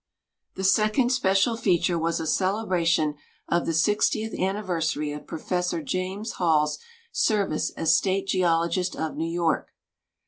The second special feature was a celebration of the sixtieth anniversary of Pi'ofessor James Hall's service as State Geologist of New York.